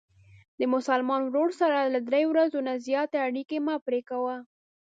د مسلمان ورور سره له درې ورځو نه زیاتې اړیکې مه پری کوه.